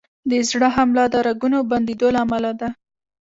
د زړه حمله د رګونو بندېدو له امله ده.